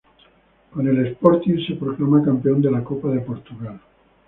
Con el Sporting se proclama campeón de la Copa de Portugal.